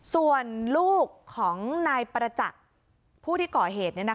ส่วนลูกของนายประจัก์ผู้ที่ก่อเหตุเนี้ยนะคะ